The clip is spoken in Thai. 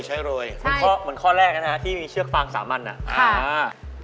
ใช่เหมือนข้อแรกนะฮะที่มีเชือกฟาง๓อันอะอะค่ะใช่